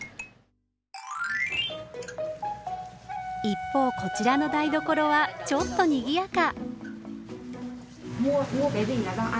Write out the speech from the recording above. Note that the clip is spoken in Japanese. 一方こちらの台所はちょっとにぎやか。